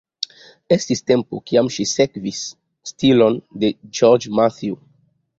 Estis tempo, kiam ŝi sekvis stilon de Georges Mathieu.